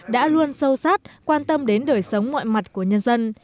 đã luôn sâu sát quan tâm đến đời sống mọi mặt của nhân dân